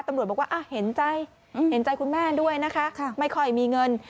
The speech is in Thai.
ตำรวจบอกว่าเห็นใจเห็นใจคุณแม่ด้วยนะคะไม่ค่อยมีเงิน